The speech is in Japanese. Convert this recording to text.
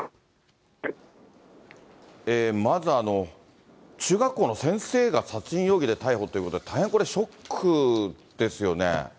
まず、中学校の先生が殺人容疑で逮捕ということで、大変これ、ショックですよね。